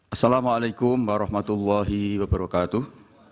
assalamu alaikum warahmatullahi wabarakatuh